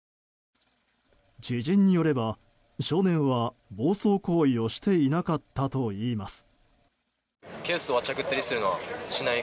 知人によれば、少年は暴走行為をしていなかったといいます。